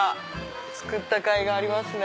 作ったかいがありますね。